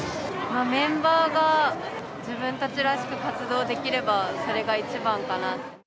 メンバーが、自分たちらしく活動できれば、それが一番かな。